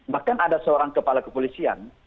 bahkan ada seorang kepala kepolisian